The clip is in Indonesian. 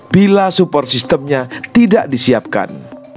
bila support systemnya tidak disiapkan